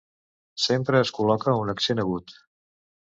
Sempre es col·loca un accent agut.